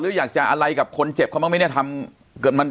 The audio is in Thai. หรืออยากจะอะไรกับคนเจ็บเขาบ้างไหมเนี่ยทำเกินมัน